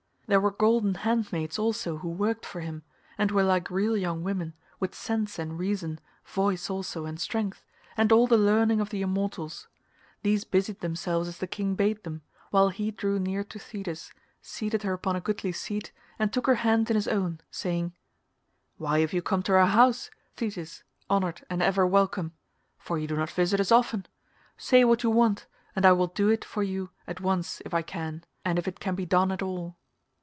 There were golden handmaids also who worked for him, and were like real young women, with sense and reason, voice also and strength, and all the learning of the immortals; these busied themselves as the king bade them, while he drew near to Thetis, seated her upon a goodly seat, and took her hand in his own, saying, "Why have you come to our house, Thetis honoured and ever welcome—for you do not visit us often? Say what you want, and I will do it for you at once if I can, and if it can be done at all."